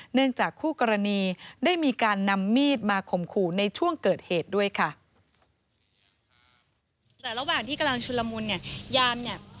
จากคู่กรณีได้มีการนำมีดมาข่มขู่ในช่วงเกิดเหตุด้วยค่ะ